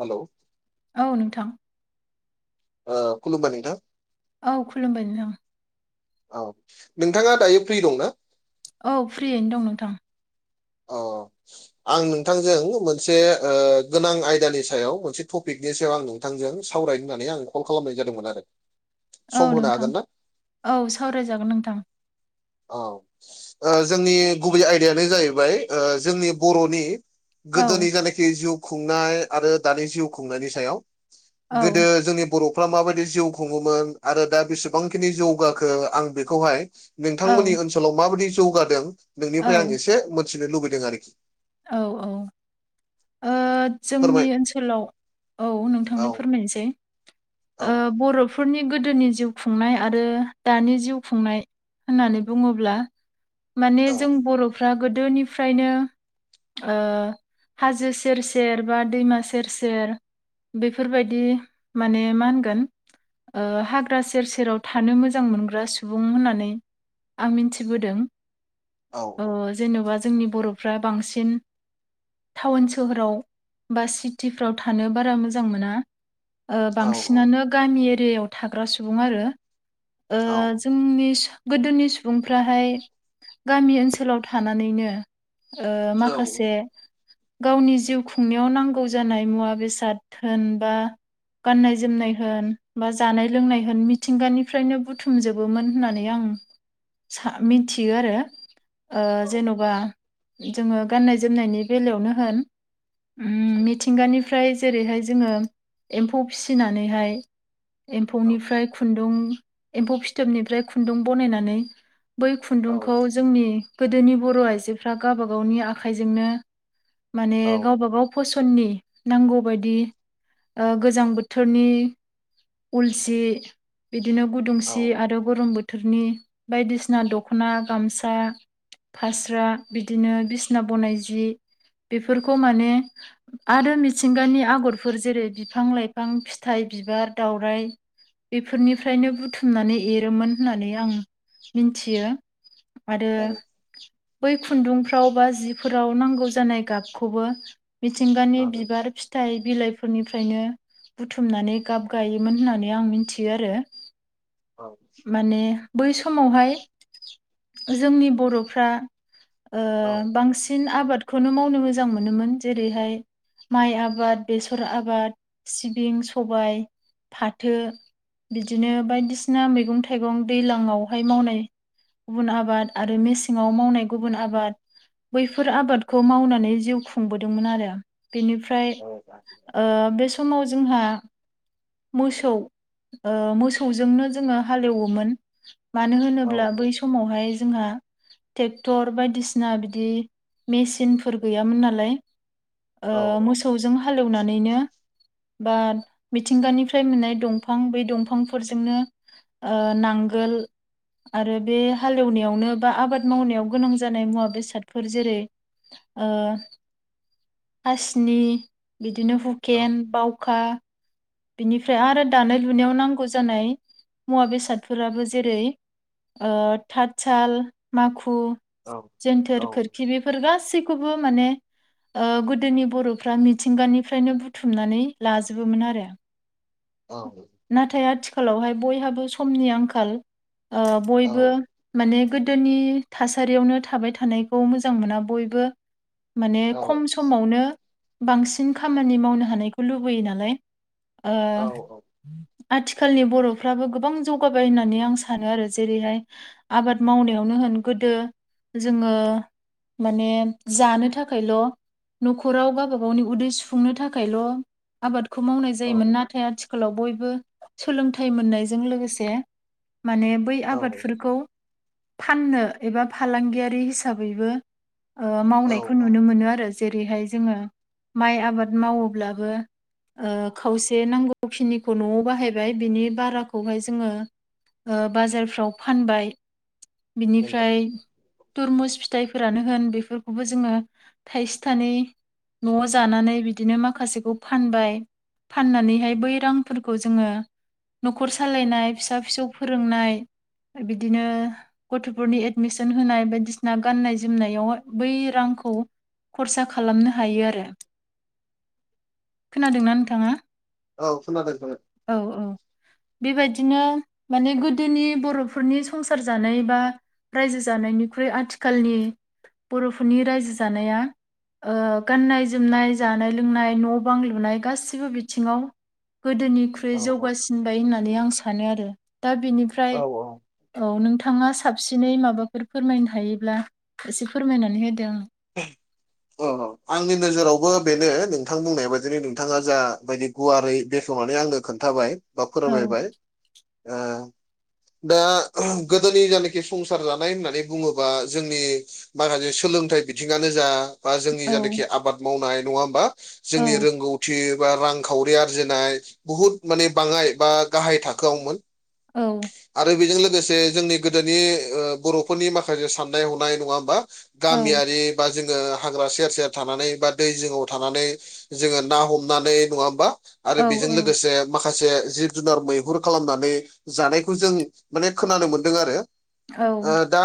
Hello. औ नोंथां। ओ खुलुमबाय नोंथां। औ खुलुमबाय नोंथां। औ नोंथाङा दायो फ्रि दंना? औ फ्रियैनो दं नोंथां। अ। आं नोंथांजों मोनसे ओ गोनां आयदानि सायाव मोनसे टपिकनि सायाव आं नोंथांजों सावरायनो होननानै आङो कल खालामनाय जादोंमोन आरो। औ सम होनो नोंथां हागोन ना औ सावरायजागोन नोंथां। औ ओ जोंनि गुबै आयदायानो जाहैबाय ओ जोंनि बर'नि औ गोदोनि जायनाखि जिउ खुंनाय आरो दानि जिउ खुंनायनि सायाव। औ गोदो जोंनि बर' फोरा माबायदि जिउ खुङोमोन आरो दा बेसेबांखिनि जौगाखो आं बेखौहाय औ नोंथांमोननि ओनसोलाव माबादि जौगादों औ नोंनिफ्राय आं एसे मिथिनो लुबैदों आरोखि। औ औ। ओ जोंनि फोरमाय ओनसोलाव औ नोंथांनो औ फोरमायनोसै। औ ओ बर'फोरनि गोदोनि जिउ खुंनाय आरो दानि जिउ खुंनाय होननानै बुङोब्ला माने औ जों बर'फ्रा गोदोनिफ्रायनो ओ हाजोस सेर सेर बा दैमा सेर सेर बेफोरबायदि माने मा होनगोन ओ हाग्रा सेर सेराव थानो मोजां मोनग्रा सुबुं होननानै आं मिनथिबोदों। औ औ। जेन'बा जोंनि बर'फ्रा बांसिन टाउन सोहोराव बा सिटिफ्राव थानो बारा मोजां मोना ओ औ बांसिनानो गामि एरियायाव थाग्रा सुबुं आरो। ओ औ। जोंनि गोदोनि सुबुंफ्राहाय गामि ओनसोलाव थानानैनो ओ औ माखासे गावनि जिउ खुंनायाव नांगौ जानाय मुवा बेसाद होन बा गाननाय जोमनाय होन बा जानाय लोंनाय होन मिथिंगानिफ्रायनो बुथुमजोब बोमोन होननानै आं सा-मिथियो आरो। ओ जेन'बा जोङो गाननाय जोमनायनि बेलायावनो होन ओम मिथिंगानिफ्राय जेरैहाय जोङो एम्फौ फिनानैहाय एम्फौनिफ्राय खुन्दुं एम्फौ फिथोबनिफ्राय खुन्दुं बनायनानै बै औ खुन्दुंखौ जोंनि गोदोनि बर' आइजोफ्रा गावबागावनि आखाइजोंनो माने गावबागाव फसननि नांगौबायदि ओ गोजां बोथोरनि उलसि बिदिनो औ गुदुंसि आरो गरम बोथ थोरनि बायदिसिना दख'ना गामसा फास्रा बिदिनो बिसना बनाय जि। बेफोरखौ माने आरो मिथिंगानि आगरफोर जेरै बिफां लाइफां फिथाइ बिबार दावराइ। बेफोरनिफ्रायनो बुथुमनानै एरोमोन होननानै आं मिन्थियो। आरो औ बै खुन्दुंफ्राव बा जिफोराव नांगौ जानाय गाबखौबो, मिथिंगानि औ बिबार फिथाइ बिलाइफोरनिफ्रायनो बुथुमनानै गाब गायोमोन होननानै आं मिथियो आरो। औ माने बै समावहाय जोंनि बर'फ्रा बांसिन आबादखौनो मावनो मोजां मोनोमोन जेरैहाय माइ आबाद, बेसर आबाद, सिबिं, सबाय, फाथो। बिदिनो बायदिसिना मैगं थाइगं दैज्लाङआवहाय मावनाय गुबुन आबाद आरो मेसेंआउ मावनाय गुबुन आबाद बैफोर आबादखौ मावनानै जिउ खुंबोदोंमोन आरो। बेनिफ्राय बे समाव जोंहा मोसौ, मोसौजोंनो जोङो हालेवोमोन। मानो होनोब्ला बै समावहाय जोंहा थे क्टर बायदिसिना बिदि मेसिनफोर गैयामोन नालाय। मोसौजों हालेवनानैनो बा मिथिंगानिफ्राय मोननाय दंफां बे दंफांफोरजोंनो ओ नांगोल आरो बे हालेवनायावनो बा आबाद मावनायाव गोनां जानाय मुवा बेसादफोर जेरै ओ हासिनि बिदिनो हुकेन, बावखा बिनिफ्राय आरो दानाय लुनायाव नांगौ जानाय, मुवा बेसादफोराबो जेरै थतसााल माखु जोनथोर खोरखि बेफोर गासैखौबो माने गोदोनि बर'फ्रा मिथिंगानिफ्रायनो बुथुमनानै लाजोबोमोन आरो। औ। नाथाय आथिखालावहाय बयहाबो समनि आंखाल, ओ औ बयबो औ माने गोदोनि थासारियावनो थाबाय थानायखौ मोजां मोना बयबो माने खम समावनो बांसिन खामानि मावनो हानायखौ लुबैयो नालाय। ओ औ। आथिखालनि बर'फ्राबो गोबां जौगाबाय होननानै आं सानो आरो। जेरैहाय आबाद मावनायावनो होन गोदो जोङो माने जानो थाखायल' न'खराव गावबा गावनि उदै सुफुंनो थाखायल' आबादखौ मावनाय जायोमोन नाथाय आथिखालाव बयबो सोलोंथाइ मोननायजों लोगोसे माने बै आबादफोरखौ फाननो एबा फालांगियारि हिसाबैबो मावनायखौ औ नुनो मोनो आरो। जेरैहाय जोङो माइ आबाद मावोब्लाबो ओ खावसे नांगौखिनिखौ न'आव बाहायबाय बिनि बाराखौहाय जोङो बाजारफ्राव फानबाय, नंगौ बिनिफ्राय तुरमुस फिथाइफोरानो होन बेफोरखौबो जोङो थाइसे थाइनै न'आव जानानै बिदिनो माखासेखौ फानबाय। फाननानैहाय बै रांफोरखौ जोङो न'खर सालायनाय, फिसा फिसौ फोरोंनाय, बिदिनो गथ'फोरनि एडमिसन होनाय बायदिसिना गाननाय जोमनायाव बै रांखौ खरसा खालामनो हायो आरो, खोनादोंना नोंथाङा? औ खोनादों। औ औ। बेबायदिनो माने गोदोनि बर'फोरनि संसार जानाय बा रायजो जानायनिख्रुइ आथिखालनि, बर'फोरनि रायजो जानाया गाननाय जोमनाय जानाय लोंनाय न' बां लुनाय गासिबो बिथिङाव गोदोनिख्रुइ औ जौगासिनबाय होननानै आं सानो आरो दा औ बिनिफ्राय औ औ नोंथाङा साबसिनै माबाफोर फोरमायनो हायोब्ला एसे फोरमायनानै होदो आं अ आंनि नोजोरावबो बेनो नोंथां बुंनाय बायदिनो नोंथाङा जाबायदि गुवारै बेखवनानै आंनो खोन्थाबाय बा औ फोरमायबाय ओ दा गोदोनि जानेखि संसार जानाय होननानै बुङोबा जोंनि माखासे सोलोंथाइ बि थिंनो जा बा जोंनि औ जानेखि आबाद मावनाय नङा होमबा औ जोंनि रोंगौ थि बा रांखावरि आरजिनाय बुहुत माने बाङाय बा गाहाय थाखोआवमोन औ आरो बेजों लोगोसे जोंनि गोदोनि ओ बर'फोरनि माखासे साननाय हनाय नङा होमबा औ गामियारि बा जोङो हाग्रा सेर सेर थानानै बा दै जिंआव थानानै जोङो ना हमनानै नङा होमबा आरो औ बेजों लोगोसे माखासे जिब जुनार मैहुर खालामनानै जानायखौ जों माने खोनानो मोनदों आरो ओ औ दा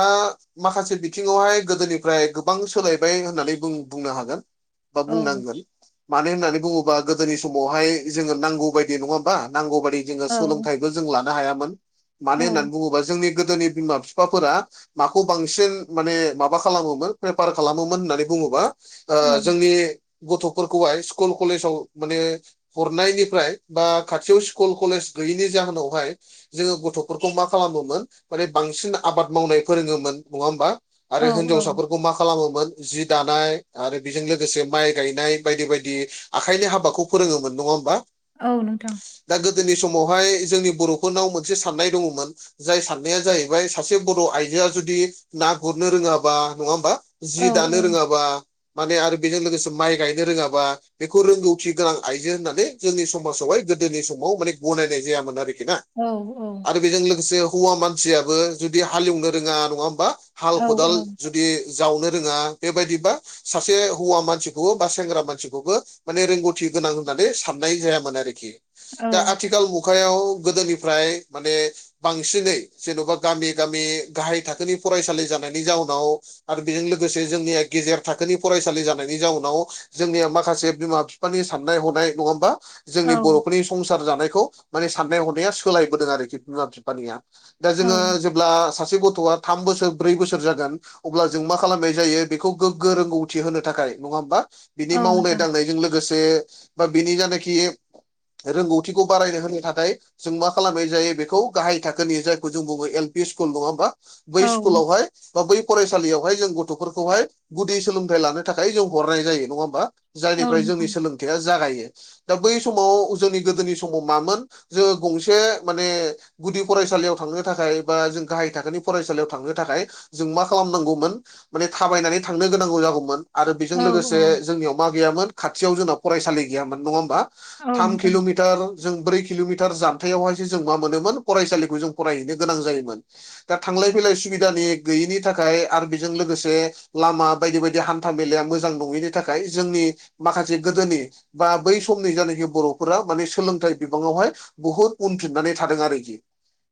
माखासे बिथिङावहाय गोदोनिफ्राय गोबां सोलायबाय होननानै बुं-बुंनो हागोन बा औ बुंनांगोन मानो होननानै बुङोबा गोदोनि समावहाय जोङो नांगौ बायदि नङा होमबा नांगौ बादि जोङो सोलोंथाइबो जों लानो हायामोन मानो होननानै बुङोबा जोंनि गोदोनि बिमा बिफाफोरा माखौ बांसिन माने माबा खालामोमोन बेफार खालामोमोन होननानै बुङोबा ओ औ जोंनि गथ'फोरखौहाय स्कुल कलेजाव माने हरनायनिफ्राय बा खाथियाव स्कुल कलेस गैयैनि जाहोनावहाय जोङो गथ'फोरखौ मा खालामोमोन माने बांसिन आबाद मावनाय फोरोङोमोन नङा होमबा औ आरो औ होनजावसाफोर खौ मा खालामोमोन जि दानाय आरो बेजों लोगोसे माइ गायनाय बायदि बायदि आखाइनि हाबाखौ फोरोङोमोन नङा होमबा औ नोंथां दा गोदोनि समावहाय जोंनि बर'फोरनाव मोनसे साननाय दङमोन जाय साननाया जाहैबाय सासे बर' आइजोआ जुदि ना गुरनो रोङाबा नङा होमबा औ जि दानो रोङाबा माने आरो बेजों लोगोसे माइ गायनो रोङाबा बेखौ रोंगौथि गोनां आइजो होननानै जोंनि समाजावहाय गोदोनि समाव माने गनायनाय जायामोन आरोखि ना औ औ आरो बेजों लोगोसे हौवा मानसियाबो जुदि हालेवनो रोङा नङा होमबा हाल औ खदाल जुदि जावनो रोङा बेबायदिबा सासे हौवा मानसिखौबो बा सेंग्रा मानसिखौबो माने रोंग'थि गोनां होननानै साननाय जायामोन आरोखि दा आथिखाल मु गायाव गोदोनिफ्राय माने बांसिनै जेन'बा गामि गामि गाहाय थाखोनि फरायसालि जानायनि जाउ नाव आरो बेजों लोगोसे जोंनिया गेजेर थाखोनि फरायसालि जानायनि जाउनाव जोंनिया माखासे बिमा फिफानि साननाय हनाय नङा होमबा जोंनि औ औ बर'फोरनि संसार जानायखौ माने साननाय हनाया सोलायबोदों आरोखि बिमा फिफानिया दा औ जोङो जेब्ला सासे गथ'आ थाम बोसोर ब्रै बोसोर जागोन अब्ला जों मा खालामनाय जायो बेखौ गोग्गो रोंगौथि होनो थाखाय नङा होमबा बिनि औ मावनाय नोंथां दांनायजों लोगोसे बा बिनि जानाखि रोंगौथिखौ बारायनो होनो थाखाय जों मा खालामनाय जायो बेखौ गाहाय थाखोनि जायखौ जों बुङो एल पि स्कुल नङा होमबा बै औ स्कुलावहाय बा बै फरायसालियावहाय जों गथ'फोरखौहाय गुदि सोलोंथाइ लानो थाखाय जों हरनाय जायो नङा होमबा औ जायनिफ्राय जोंनि नोंथां सोलोंथाइया जागायो दा बै समाव जोंनि गोदोनि समाव मामोन जोङो गंसे माने गुदि फरायसालियाव थांनो थाखाय बा जों गाहाय थाखोनि फरायसालियाव थांनो थाखाय जों मा खालामनांगौमोन माने थाबायनानै थांनो गोनांगौ जागौमोन आरो बेजों औ लोगोसे औ जोंनियाव मा गैयामोन खाथियाव जोंना फरायसालि गैयामोन नङा होमबा औ थाम नोंथां किल'मिटार जों ब्रै किल'मिटार जामथायावहायसो जों मा मोनोमोन फरायसालिखौ जों फरायहैनो गोनां जायोमोन। दा थांलाय फैलाय सुबिदानि गैयिनि थाखाय आरो बेजों लोगोसे लामा बायदि बायदि हान्था मेलाया मोजां नङिनि थाखाय जोंनि माखासे गोदोनि बा बै समनि जायानाखि बर'फोरा माने सोलोंथाइ बिबाङावहाय बुहुत उनफिननानै थादों आरोखि।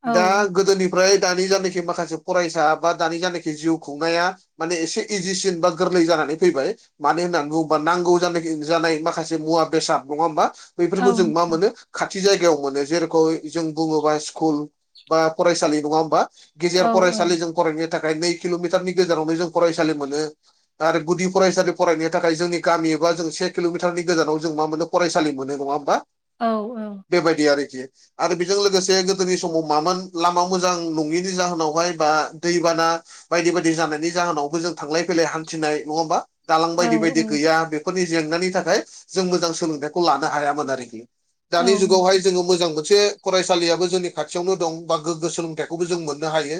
औ दा गोदोनिफ्राय दानि जानखि माखासे फरायसा बा दानि जानखि जिउ खुंनाया माने एसे इजिसिन बा गोरलै जानानै फैबाय। मानो होननानै बुङोबा नांगौ जानाय जानाय माखासे मुवा बेसाद नङा होमबा? औ बेफोरखौ जों मा मोनो खाथि जायगायाव मोनो जेरेख जों बुङोबा स्कुल बा फरायसालि नङा होमबा? औ गेजेर फरायसालि जों फरायनो थाखाय नै किल'मिटारनि गेजेरावनो जों फरायसालि मोनो आरो गुदि फरायसालि फरायनायनि थाखाय जोंनि गामि एबा जों से किल'मिटारनि गोजानाव जों मा मोनो फरायसालि मोनो नङा होमबा? औ औ बेबायदि आरोखि। आरो बेजों लोगोसे गोदोनि समाव मामोन लामा मोजां नङिनि जाहोनावहाय बा दैबाना बायदि बायदि जानायनि जाहोनावबो जों थांलाय फैलाय हान्थिनाय नङा होमबा दालां औ बायदि बायदि औ गैया बे फोरनि जेंनानि थाखाय जों मोजां सोलोंथाइखौ लानो हायामोन आरोखि दानि जुगावहाय जोङो मोजां मोन से फरायसालियाबो जोंनि खाथियावनो दं बा गोग्गो सोलोंथाइखौबो जों मोननो हायो।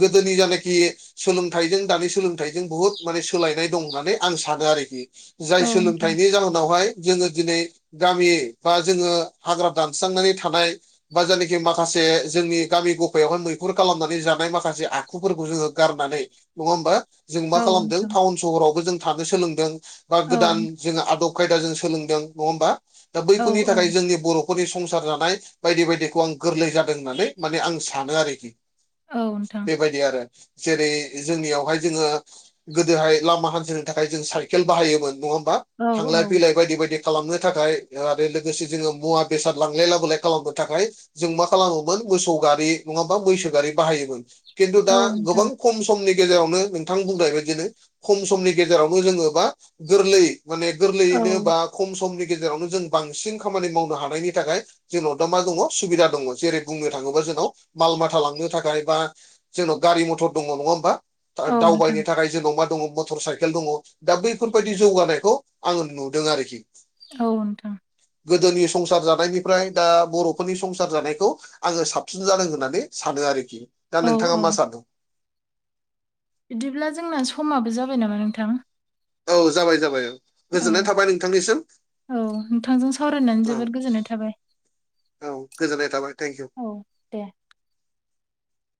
गोदोनि जानाखि सोलोंथाइजों दानि सोलोंथाइजों बुहुत माने सोलायनाय दं होननानै आं सानो आरोखि। जाय औ नोंथां सोलोंथाइनि जाहोनावहाय जोङो दिनै गामि बा जोङो हाग्रा दानस्रांनानै थानाय बा जायनाखि माखासे जोंनि गामि गफायावहाय मैखुर खालामनानै जानाय माखासे आखुफोरखौ जोङो गारनानै नङा होमबा जों मा औ खालामदों नोंथां टाउन सहरावबो जों थानो सोलोंदों। बा औ गोदान जोङो आदब खायदा जों सोलोंदों नङा होमबा? दा औ बैफोरनि औ थाखाय जोंनि बर' फोरनि संसार जानाय बायदि बायदिखौ आं गोरलै जादों होननानै माने आं सानो आरोखि। औ नोंथां बेबायदि आरो जेरै जोंनियावहाय जोङो गोदोहाय लामा हान्थिनो थाखाय जों साइकेल बाहायोमोन नङा होमबा औ थांलाय औ फैलाय बायदि बायदि खालामनो थाखाय ओ आरो लोगोसे जोङो मुवा बेसाद लांलाय लाबोलाय खालामनो थाखाय जों मा खालामोमोन मोसौ गारि नङाबा मैसो गारि बाहायोमोन। खिन्थु दा औ गोबां नोंथां खम समनि गेजेरावनो नोंथां बुंनाय बादिनो खम समनि गेजेरावनो जोङो बा गोरलै माने औ गोरलैयैनो बा खम समनि गेजेरावनो जों बांसिन खामानि मावनो हानायनि थाखाय जोंनाव दा मा दङ सुबिदा दङ जेरै बुंनो थाङोबा जोंनाव माल माथा लांनो थाखाय बा जोंनाव गारि मथर दङ नङा होमबा औ नोंथां दावबायनो थाखाय जोंनाव मा दङ मटर साइ दङ दा बैफोरबायाददि जौगानायखौ आङो नुदों आरोखि। औ नोंथां गोदोनि संसार जानायनिफ्राय दा बर'फोरनि संसार जानायखौ आङो साबसिन जादों होननानै सानो आरोखि। दा औ नोंथाङा औ मा सानो? बिदिब्ला जोंना समाबो जाबाय नामा नोंथां? औ जाबाय जाबाय औ औ गोजोननाय थाबाय नोंथांनिसिम औ नोंथांजों सावरायनानै औ जोबोद गोजोननाय थाबाय। औ गोजोननाय थाबाय थेंकिउ। औ औ